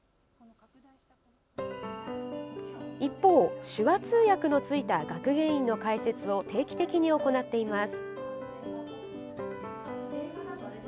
一方、手話通訳のついた学芸員の解説を定期的に行っています。